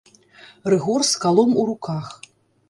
Рыгор з калом у руках.